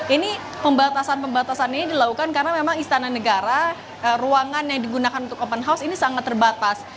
ini pembatasan pembatasan ini dilakukan karena memang istana negara ruangan yang digunakan untuk open house ini sangat terbatas